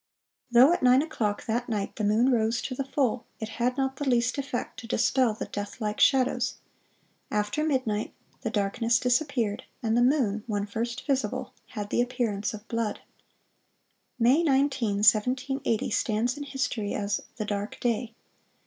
(488) Though at nine o'clock that night the moon rose to the full, "it had not the least effect to dispel the deathlike shadows." After midnight the darkness disappeared, and the moon, when first visible, had the appearance of blood. May 19, 1780, stands in history as "The Dark Day."